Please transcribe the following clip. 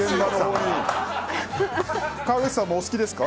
川口さんもお好きですか？